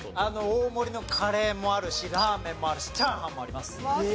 大盛りのカレーもあるしラーメンもあるしチャーハンもあります。